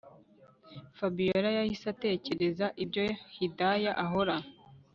Fabiora yahise atekereza ibyo Hidaya ahora